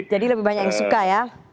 jadi lebih banyak yang suka ya